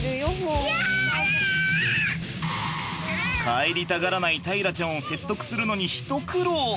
帰りたがらない大樂ちゃんを説得するのに一苦労。